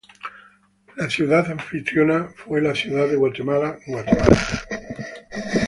La ciudad anfitriona foi la Ciudad de Guatemala, Guatemala.